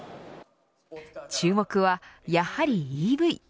注目はやはりＥＶ。